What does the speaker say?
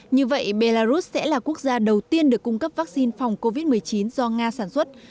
như vậy belarus sẽ là quốc gia đầu tiên được cung cấp vaccine phòng covid một mươi chín do nga sản xuất